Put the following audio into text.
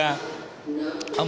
yang kedua kita juga